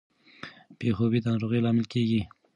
بې خوبي د ناروغۍ لامل کیږي.